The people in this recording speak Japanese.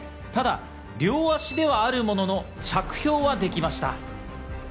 ただ両足ではあるものの、着氷はできました。